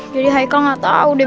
jadi haikal gak tau deh